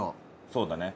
そうだね。